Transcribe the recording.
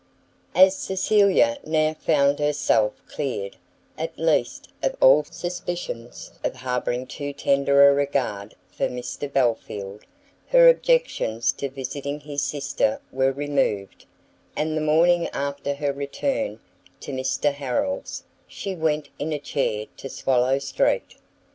As Cecilia now found herself cleared, at least, of all suspicions of harbouring too tender a regard for Mr Belfield, her objections to visiting his sister were removed, and the morning after her return to Mr Harrel's, she went in a chair to Swallow street.